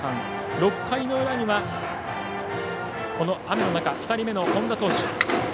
６回の裏には、雨の中２人目の本田投手。